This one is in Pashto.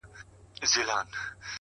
ریښتینی عزت په زور نه ترلاسه کېږي’